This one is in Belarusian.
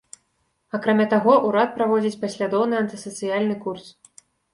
Акрамя таго, урад праводзіць паслядоўны антысацыяльны курс.